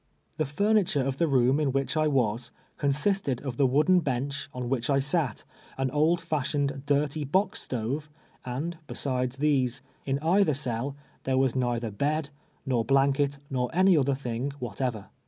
The furniture of the room in which I was, consisted of the wooden bench on wdiichi sat, an old fashioned, dirty box stove, and besides these, in either cell, thei'c was neither bed, nor blanket, nov any other thing whatever.